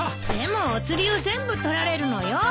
でもお釣りを全部取られるのよ。